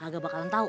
gak bakalan tahu